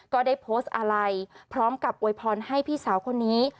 ก็ได้โพสต์อะไรพร้อมกับอวยพรให้พี่สาวคนนี้